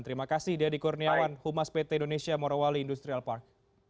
terima kasih deadi kurniawan humas pt indonesia morowali industrial park